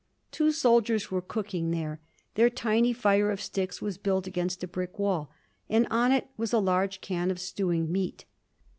Two soldiers were cooking there. Their tiny fire of sticks was built against a brick wall, and on it was a large can of stewing meat.